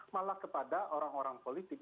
malah kepada orang orang politik